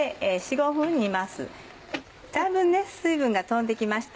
だいぶ水分が飛んで行きました。